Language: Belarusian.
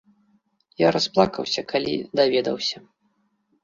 Я расплакаўся, калі даведаўся.